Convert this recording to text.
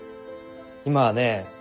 今はね